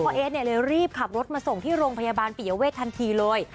เอสเนี่ยเลยรีบขับรถมาส่งที่โรงพยาบาลปิยเวททันทีเลย